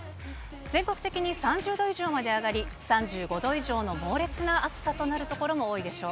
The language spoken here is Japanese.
全国的に３０度以上まで上がり、３５度以上の猛烈な暑さとなる所も多いでしょう。